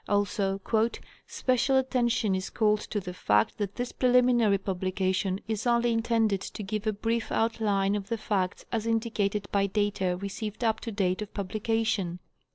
Also, "Special attention is called to the fact that this preliminary publication is only in tended to give a brief outline of the facts as indicated by data received up to date of publication."